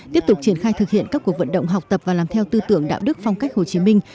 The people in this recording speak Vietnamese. tiếp tục triển khai thực hiện các cuộc vận động học tập và làm theo tư tưởng đạo đức phong cách hồ chí minh